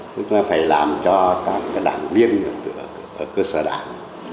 chúng ta phải làm cho cả đảng viên ở cơ sở đảng